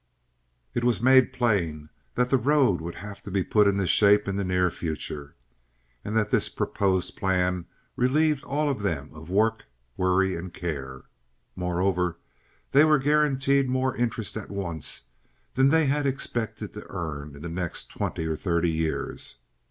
It was made plain that the road would have to be put in shape in the near future, and that this proposed plan relieved all of them of work, worry, and care. Moreover, they were guaranteed more interest at once than they had expected to earn in the next twenty or thirty years.